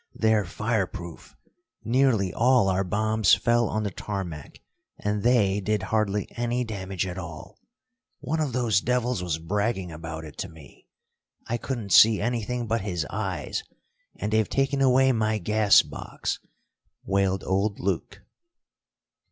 "They're fireproof. Nearly all our bombs fell on the tarmac, and they did hardly any damage at all. One of those devils was bragging about it to me. I couldn't see anything but his eyes. And they've taken away my gas box," wailed old Luke.